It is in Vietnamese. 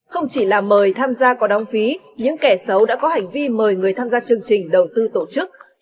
không chỉ là mời tham gia có đóng phí những kẻ xấu đã có hành vi mời người tham gia chương trình đầu tư tổ chức